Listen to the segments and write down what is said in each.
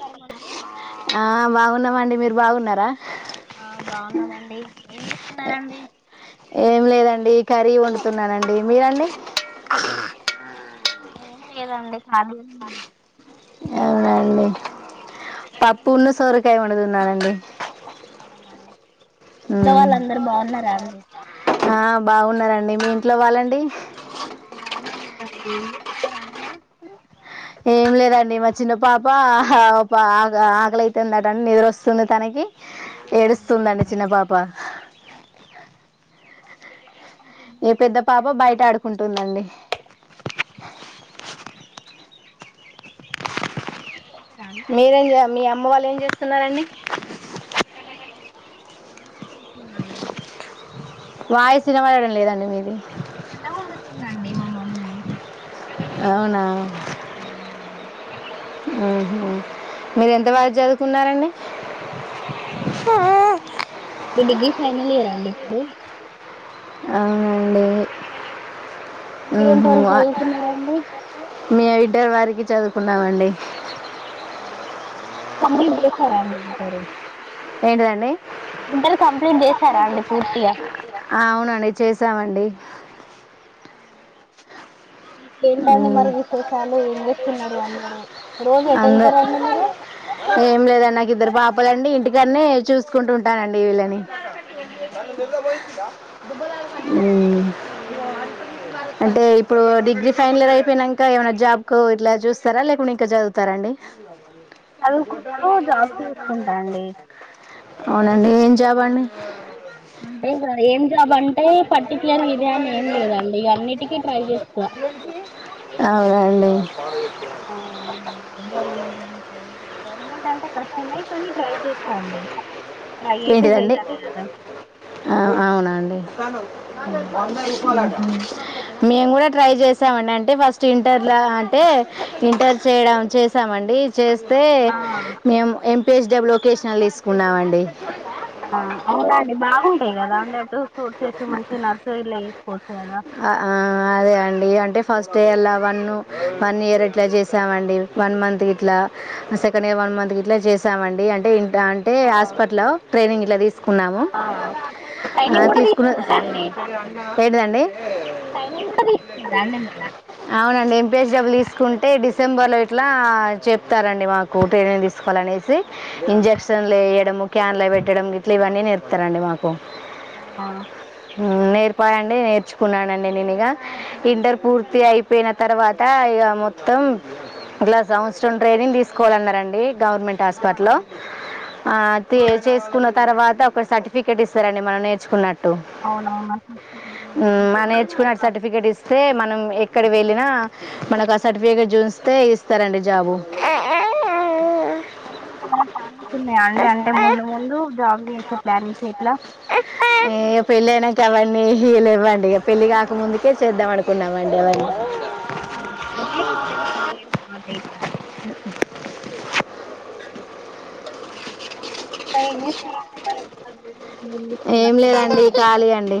నమస్కారం అండి ఆ బాగున్నామండి మీరు బాగున్నారా ఆ బాగున్నామండి ఏం చేస్తున్నారండి ఏం లేదండి కర్రీ వండుతున్నానండి మీరండి ఏం లేదండి కాలీ ఏం కర్రీ వండుతున్నారండి పున్ను సోరకాయ వండుతున్నానండి అవునా ఇంట్లో ఉమ్. వాళ్ళందరూ బాగున్నారా అండి ఆ బాగున్నారండి మీ ఇంట్లో వాళ్ళండి బానే ఉన్నారండి ఏం చేస్తున్నారు అందరూ ఏం లేదండి మా చిన్న పాప ఆ ఆప ఆకలి అయితుందంటా నిద్రొస్తుంది తనకి అవునా ఏడుస్తుందండి చిన్న పాప ఇంకేం ఏ పెద్ద చేస్తున్నారండి పాప బయట ఆడుకుంటుందండి [inaudible] మీరేం చే మీ అమ్మ వాళ్ళు ఏం చేస్తున్నారండి మా అమ్మా [inaudible] వాయిస్ వినపడడం లేదండి మీది అన్నం వండుతుందండి మా మమ్మీ అవునా అవునండి ఉహు మీరు ఎంత వరకు చదువుకున్నారండి ఆ నీ డిగ్రీ ఫైనల్ ఇయర్ అండి ఇప్పుడు అవునండి మీరు ఉహు ఎంతవరకు చదువుకున్నారండి మీ ఎయిట్ వరికి చదువుకున్నామండి అవునా కంప్లీట్ చేసారా అండి ఇంటరు ఏంటిదండి చేసారా అండి పూర్తిగా అవునండి చేసామండి ఇంకేంటండి మ్మ్. మరి విశేషాలు ఏం చేస్తున్నారు అందరు రోజు ఎటు అంద వెళ్తారాండి మీరు ఏం లేదు నాకు ఇద్దరు పాప చెప్పలండి ఇంటికనే చూసుకుంటూ ఉంటానండి వీళ్ళని అంటే ఇప్పుడు డిగ్రీ ఫైనలియర్ అయిపోయినాక ఏమైనా జాబ్ కు ఇట్లా చూస్తారా లేకుంటే ఇంకా చదువుతారా అండి చదువుకుంటూ జాబ్ చేసుకుంటా అండి అవునండి ఏం జాబ్ అండి ఆ అంటే ఇగ ఏం జాబ్ అంటే పర్టికులర్ ఇదే అని ఏం లేదండి ఇగ అన్నిటికీ ట్రై చేస్తా [unintelligible] అవునండి ఆ గవర్నమెంట్ ఇద ప్రైవేట్ గవర్నమెంట్ అంటే కష్టమే కానీ ట్రై చేస్ అండి ట్రై అయితే ఏంటిదండి చెయాలి కదా ఆ అవునండి మేము కూడా ట్రై చేసామండి అంటే ఫస్ట్ ఇంటర్ లా అంటే ఇంటర్ చేయడం చేసామండి చేస్తే ఆ మేము ఎంపిఎస్ డబ్ల్యు వోకేషనల్ తీసుకున్నామండి అవున అండి బాగుంటాయి కదా ఉండే అట్టు కోర్సెస్ మంచిగా నర్సరీలా చేసుకోవచ్చు కదా ఆ ఆ అ అంటే ఫస్ట్ ఇయల వన్ వన్ ఇయర్ ఇట్లా చేసామండి వన్ మంత్ ఇట్లా సెకండ్ ఇయర్ వన్ మంత్ ఇట్లా చేసామండి. అంటే ఇ అంటే ఆ హాస్పిటల్ లో ట్రైనింగ్ ఇట్లా తీ సుకున్నాము ఆ ఆ ట్రైనింగ్ కూడా తీసుకున్న తీసుకున్నారా అండి ఏంటిదండి? ట్రైనింగ్ కూడా తీసుకున్నారా అండి మీరు అవునండి ఎం పి ఎస్ డబ్ల్యు తీసుకుంటే డిస్ డిసెంబర్లో ఇట్లా చెప్తారండి మాకు ట్రైనింగ్ తీసుకోవాలనేసి ఇంజక్షన్లు వేయడం ము క్యాన్ల పెట్టడం గిట్లా ఇవన్నీ నేర్పుతారండి మాకు అవునా ఊ నేర్పాయండి నేర్చుకున్నానండి నేను ఇగా ఇంటర్ పూర్తి అయిపోయిన తర్వాత ఇగ మొత్తం ట్లా సంవత్సరం ట్రైనింగ్ తీసుకోవాలన్నారండి గవర్నమెంట్ ఆ హాస్పిటల్లో ఆ తీర్ చేసుకున్న తర్వాత ఒక సర్టిఫికెట్ ఇస్తారండి మనం నేర్చుకున్నట్టు అవునవున సర్టిఫికెట్ ఇస్తే మనం ఎక్కడ వెళ్ళినా మనకు ఆ సర్టిఫికెట్ చూస్తే ఇస్తారండి జాబు. ఏ అన్న చాల ఛాన్సెస్ ఉన్నాయా అండి అంటే ముందు ముందు జాబ్ని ఇంకా ప్లానింగ్ ఎట్లా? తేవన్నీ ఇహ లేవండి ఇగ పెళ్లి కాకముందుకే చేద్దాం అనుకున్నామండి అవన్నీ. ర మరి [unintelligible] ఏం అత్తమ్మ లేదండి వాళ్ళు ఇట్లా ఖాళీ అండి.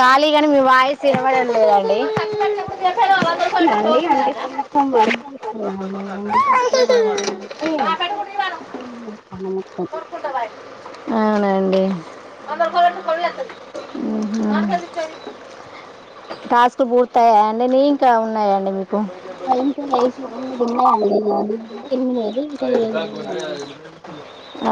ఖాళీగానీ మీ వాయిస్ వినబడ్డం లేదండి. ఇప్పుడు ఓకేనండి అంటే కొంచెం వర్క్ చేస్తున్నా నేను సెమ్ క్లీన్ చేస్తున్న మొత్తం. ఆవునండి ఉహు మొత్తం ఆ టాస్కులు పూర్తయ్యా అండి ని ఇంకా ఉన్నాయండి మీకు ఇంకా ఎయిత్ ఎనిమిది ఉన్నాయి అండి నాది కూడా ఎనిమిది ఇంకా ఏడు ఉన్నాయండి.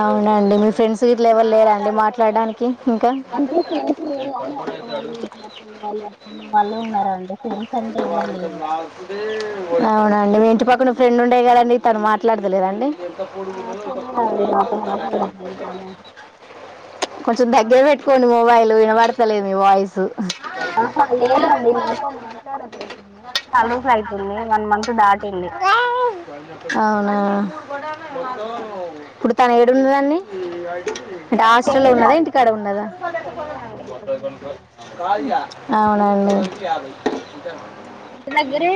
అవునండి మీ ఫ్రెండ్స్ గిట్ల ఎవరు లేరా అండి మాట్లాడడానికి. ఇంకా అంటే ఫ్రెండ్స్ లేరు గాని అక్క వాళ్ళు ఇ పిల్ల వాళ్ళు, అమ్మ వాళ్ళు ఉన్నారండి ఫ్రెండ్స్ అంటే ఎవరు లేరు అవునండి మీ ఇంటి పక్కన ఓ ఫ్రెండ్ ఉండే కద ని తను మాట్లాడతలేదండి ఆ చ్ తెలియదండి నాతో మాట్లాడట్లేదు తను కొంచెం దగ్గర పెట్టుకోండి మొబైల్ వినబడతలేదు మీ వాయిస్. అహ లేదండి నాతో మాట్లాడట్లేదు తను చాల రోజులు అయితుంది. వన్ మంత్ దాటింది. అవ్ అవునండి ఇప్పుడు తను ఏడున్నదండి? అంటే హాస్టల్లో ఉన్నదా, తెలీదండి ఇంటికాడ ఉన్నదా? తెలీదండి ఎక్కడ ఉందో అవునండి ఇంటి దగ్గరే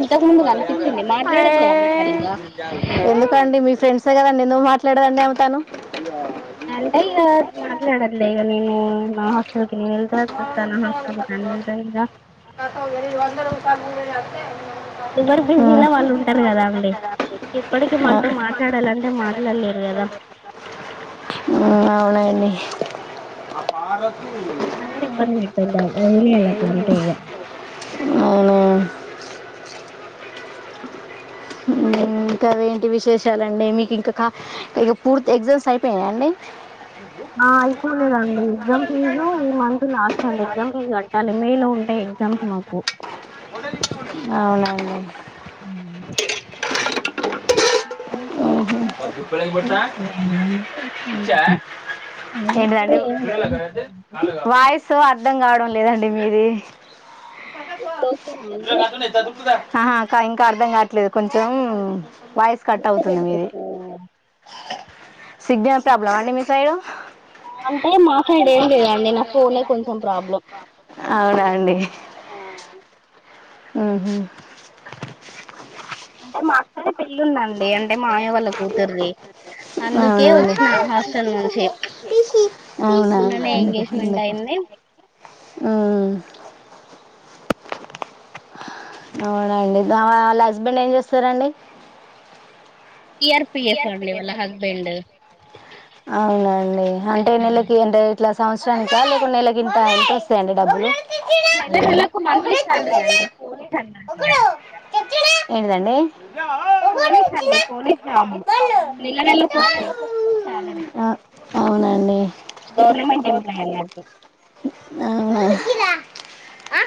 ఇంతకు ముందు కనిపించింది అవే మాట్లాడట్లే అండి సరిగ్గా ఎందుకండి మీ ఫ్రెండ్సే కదండి ఎందుకు మాట్లాడరు ఆమెతోను? అంటే ఇగ మాట్లాడద్లే ఇగ నేను నా హాస్టెల్కి ఎలితే వచ్చేస్తాను నా హస్టల్ అంటద వందని వంద రూపాయలు ఉండేది అంతే ఎవరు బిజీలా వాళ్ళు ఉంటారు కదా అండి. ఇప్పటికి మనతో మాట్లాడాల ఉ అవునండి ఆపారా మనం కూడా ఇబ్బంది పెట్టొద్ద వదిలేయాలి అట్ల అంతే ఇగ అవును మ్ ఇంకావేంటి విశేషాలండి మీ ఇంకా క ఇగ పూర్తి ఎగ్జామ్స్ అయిపోయయా అండి? ఆ అయిపోలేదండి ఎగ్జామ్ ఫీజు ఈ మంత్ లాస్ట్ అండి. ఎగ్జామ్ ఫీజు కట్టాలి మే లో ఉంటాయ్ కంసమాకు అవునండి అంటే మా వాని మామయ్య వాళ్ళకి తుప్పు పెళ్ళి రేగొట్ల కదండి అందుకే ఏంటిదండి వస్తున్నా ఇంటికి హాలిడేస్ కూడా ఏం లేదు వాయిస్ ఆర్ ర్థం గావడం లేదండి మీది ఇప్పుడు ఓకేనా అండి ఆహా క ఇంకా అర్ధం కాట్లేదు కొంచెం వాయిస్ కట్ అవుతుంది డిస్టర్బెన్స్ మీది వస్తుంది సిగ్నల్ ప్రాబ్లమ అండి మీసైడు అంటే మాసైడ్ ఏం లేదండి నా ఫోనె కొంచెం ప్రాబ్లం అవునా ఆ ఉ హు మా అక్కొల్లా పెల్లున్దండి అంటే మాయ వాల్ల కూతురిది అందుకే అవునండి వచ్చిన హాస్టల్ నుంచి అవునా మొన్ననే ఎంగేజ్మెంట్ అయింది ఉ అవునండి ఆ వాళ్ళ హస్బెండ్ ఏం చేస్తారండి సిఆర్పిఎస్ అండి వాళ్ళ హస్బెండ్ అవునండి అంటే నెలకి అంటే ఇట్లా సంవత్సరానికికా లేక నెల గింత ఎంత వస్తాయండి డబ్బులు నెల అది ఉన్నది. నెలకు మంత్లీ సాలరీ అండి పోలీస్ అన్నట్టు ఇగ ఏంటిదండి పోలీస్ అండి పోలీస్ జాబ్ నెల నెలకు వస్తది సాలరీ ఆ అవునండి ఎంప్లాయ్ అన్నట్టు అవునా ఆ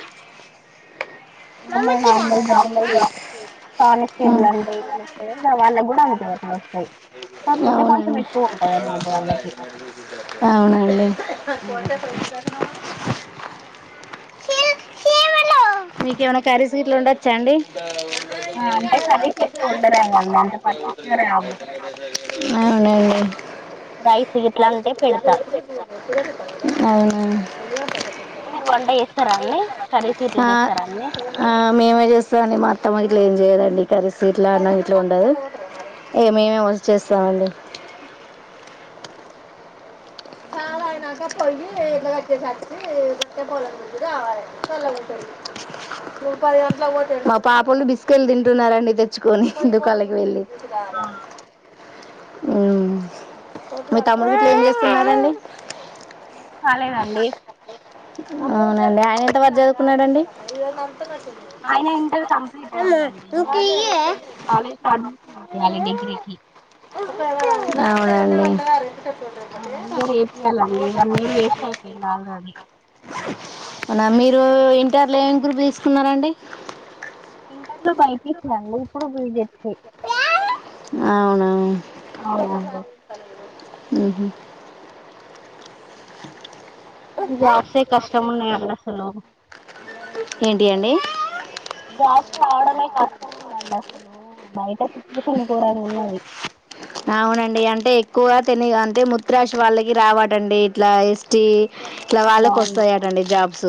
మమ్మలా నార్మల్ జాబ్ స్కు కానిస్టేబుల్ అంటే ఎట్లు వస్తాయి లే వాళ్ళ గుడా అంతే అట్లా వస్తయి కాకపోతే కొంచెం అవునండి ఎక్కువ ఉంటది అండి అమౌంట్ వాళ్ళకి అవునండి మీకేమైనా కరీస్ గిట్ల వండొచ్చా అండి ఆ అంటే కర్రీస్ ఎక్కువ వండరు కదండి అంత పర్ఫెక్ట్ గా రావు అ ఉ రైస్ గిట్లా అంటే పెడతా [unintelligible] అవును మీరు వంట చేస్తారాండి కర్రీస్ గిట్లా ఆ చేస్తారా అండి ఆ మేమే చేస్తామన్ది మా అట్టమ ఇట్లా ఏం చేయదండి కరసిీ ఇట్లా అన్నం ఇట్లా ఉండదు ఏ మేమే వచ్చ చేస్తామ అండి [unintelligible] ఇ క చేస్తారండి ఎగా చి ఇగ పది గంటలకు పోతే మా పాపకు బిస్కెళ్ డి తింటున్నారండి తెచ్చుకొని దుకాళ్ళకి వెళ్ళి మీ తమ్ముడు ఏం చేస్తున్నారండి కాలేదండి అవునండి ఆయన ఎంత వరకు జదువుకున్నాడండి ఆయన ఇంటర్ కంప్లీట్ అయిందండి మళ్ళీ వేరే కాలేజ్ లో అడ్మిషన్ ఏపీయాలి డిగ్రీకి అవునండి ఆ నాలు అది ఓ ఇంటర్ లో ఎం గ్రూప్ తీసుకున్నారండి ఇంటర్లో బైపిసిఅండి ఇప్పుడు బిజడ్సి అవునా అవునండీ అహు అది జాబ్సే కష్టం ఉన్నాయండి అసలు ఏం టి అండి జాబ్స్ రావడమే కష్టముందండి అసలు బయట సిచ్యువేషన్ గోరంగా ఉన్నది అవునండి అంటే ఎక్కువ తని అంటే ముత్త్రాశ వాళ్ళకి రావటండి ఇట్లా ఎస్టి ఇట్లా వాళ్ళకు అవునవును వస్తాయటండి జాబ్స్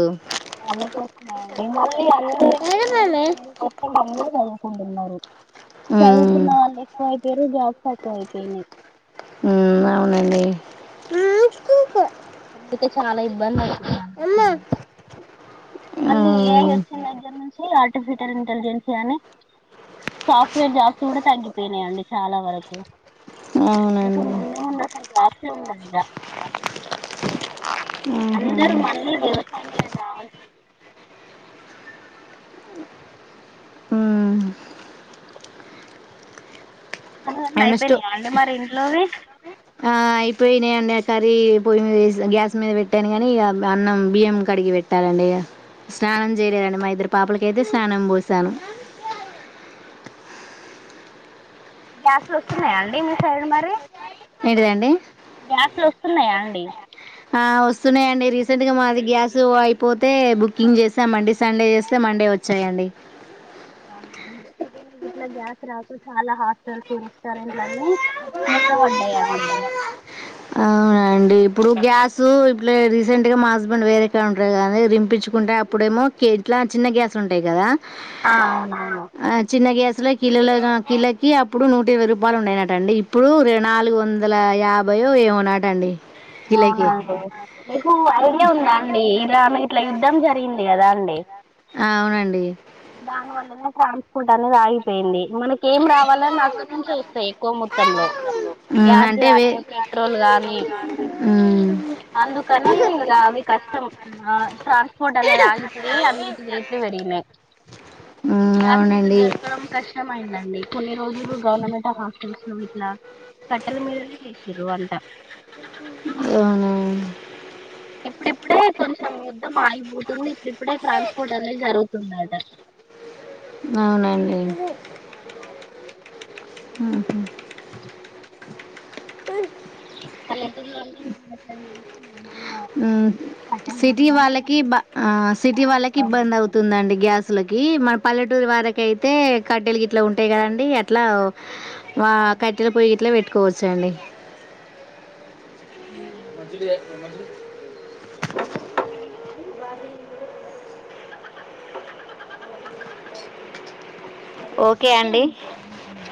మిమల్ అందరూ ఇప్పుడు ఉమ్ నై నైన్ పర్సెంట్ అందరూ చదువుకుంటున్నారు చదువుకున్న వాళ్ళు ఎక్కువయిపోయారు జాబ్స్ తక్కువ అయిపోయినాయి ఉ అవునండి క [inaudible] అందుక చాలా ఇబ్బంది పడుతున్నాను ఆ మళ్ళీ ఏఐ వచ్చిన దగ్గర నుంచి ఆర్టిఫిషియల్ ఇంటెలిజెన్స్ గాని సాఫ్ట్వేర్ జాబ్స్ కూడా తగ్గిపోయినాయండి చాలా వరకు ఇకు అవునండి నిన్న ఉన్న జాస్తి ఉంద ఆహా అందరు మళ్ళీ వ్యవసాయం చేయడం రావాల్సింది అ అన్నీ అవి నెక్స్ట్ అయిపోయినాయా అండి మరి ఇంట్లోవి ఆ అయిపోయి నే కర్రీ పొయ్యి మీద గ్యాస్ మీద పెట్టాను కాని అన్నం బియ్యం కడిగి పెట్టాలండి స్నానం చేయలేండి మైద పాపలకైతే స్నానం పోశాను గ్యాస్లు వస్తున్నాయాండి మీ సైడ్ మరి ఏంటిదండి గ్యాస్లు వస్తున్నాయా అండి వస్తున్నాయంండి రీసెంట్గా మాది గ్యాస్ అయిపోతే బుకింగ్ చేసాంమండి సండే చేస్తే మండే వచ్చాయంండి టే ఇట్లా గ్యాస్ రాకు చాలా హాస్టల్స్ రెస్టారెంట్లు అన్నీ ముఖ వంట అన్న అవున అండి ఇప్పుడు గ్యాస్ ఇప్పుడు రీసెంట్ గా మా హస్బెండ్ వేరేక ఉంటారు కాదని రింపించుకుంటే అప్పుడే ఏమో ఇట్లా చిన్న గ్యాస్ ఉంటాయి కదా ఆ అవునవును కిల కిలోకి అప్పుడు నూట ఇరవై రూపాయలు ఉన్నాయినటండి ఇ ఇప్పుడు ర నాలుగు వందల యాభై ఏమోనాట అండి ఇలా అవునండి మీకు ఐడియా ఉందా అండి ఇలా ఇట్లా యుద్ధం జరిగింది కదా అండి ఆ అవునండి దాని వల్లనే ట్రాన్స్పోర్ట్ అనేది ఆగిపోయింది మనకి ఏం రావాలని అక్కడ నుంచే వస్తాయి ఎక్కువ మొత్తంలో ఉమ్, గ్యాస్ అంటే వే కాగానీ పెట్రోల్ గానీ అ అందుకని ఇక అవి కష్టం ట్రాన్స్పోర్ట్ అనేది ఆగిపోయి అన్నిటి రేట్లు పెడి ఉమ్, గ్యాస్ ఇప్పుడు అవునండి దొరకడం కష్టమైంది కొన్ని రోజులు గవర్నమెంట్ హాస్టల్స్ లో ఇట్లా కట్టల మీదనే చేసారు వంట అవున ఇప్పుడు ఎప్పుడు అ కొంచెం యుద్ధం ఆగిపోతుంది ఇడు ఇప్పుడే ట్రాన్స్పోర్ట్ అనేది జరుగుతుందట అవునండి అవునవునండి ఆహా త్తడు అ హు మన చాలా ఇబ్బంది అవుతుంది పల్లెటూరు వాళ్ళ కి అయితే కట్టెలు ఇట్లా ఉంటాయి కదండడి అట్లా వాళ్ళు కట్టెల పొయ్యి గట్లో పెట్టుకోవచ్చా అండి ఉ మంచిడించి ఏం చేస్తున్నారు అంట మరి ఓకే [inaudible]